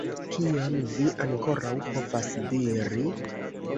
Kion vi ankoraŭ povas diri?